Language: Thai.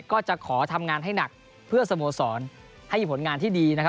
ก็จะขอทำงานให้หนักเพื่อสโมสรให้มีผลงานที่ดีนะครับ